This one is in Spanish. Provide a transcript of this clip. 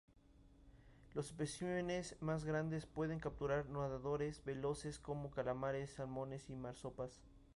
Los especímenes más grandes pueden capturar nadadores veloces como calamares, salmones y marsopas.